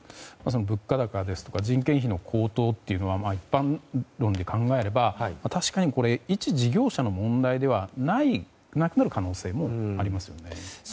物価高や人件費高騰というのは一般論で考えれば確かに一事業者の問題ではなくなる可能性もありますよね。